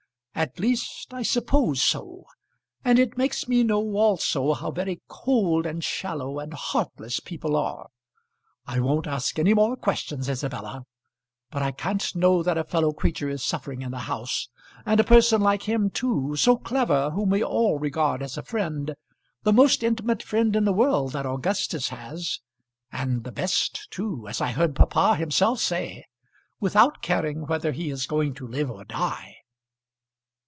At least I suppose so. And it makes me know also how very cold and shallow and heartless people are! I won't ask any more questions, Isabella; but I can't know that a fellow creature is suffering in the house, and a person like him too, so clever, whom we all regard as a friend, the most intimate friend in the world that Augustus has, and the best too, as I heard papa himself say without caring whether he is going to live or die."